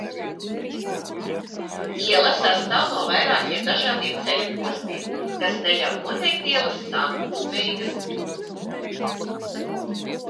Iela sastāv no vairākiem dažādiem ceļa posmiem, kas neļauj noteikt ielas sākumu un beigas.